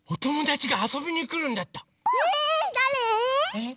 えっ！